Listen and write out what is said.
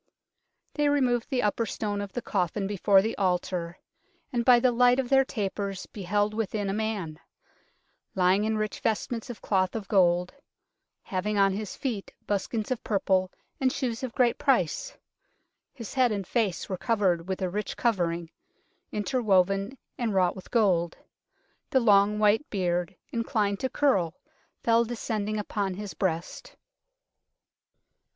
They re moved the upper stone of the coffin before the altar, and by the light of their tapers beheld within a man, lying in rich vestments of cloth of gold, having on his feet buskins of purple and shoes of great price ; his head and face were covered with a rich covering, interwoven and wrought with gold. The long white beard, in clined to curl, fell descending upon his breast.